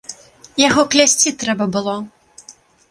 Яго клясці трэба было!